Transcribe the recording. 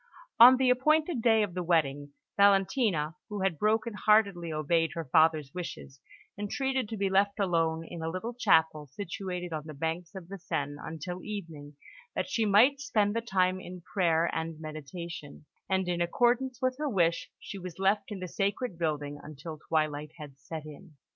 On the appointed day of the wedding, Valentina, who had broken heartedly obeyed her father's wishes, entreated to be left alone in a little chapel situated on the banks of the Seine until evening, that she might spend the time in prayer and meditation; and in accordance with her wish, she was left in the sacred building until twilight had set in.